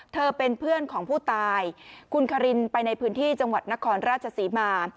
เธอเป็นเพื่อนของผู้ตายคุณคารินไปในพื้นที่จังหวัดนครราชศรีมา